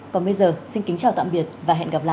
còn bây giờ xin kính chào tạm biệt và hẹn gặp lại